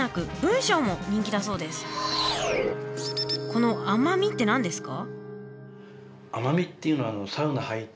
この「あまみ」って何ですか？